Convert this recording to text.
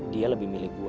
dia lebih milih gue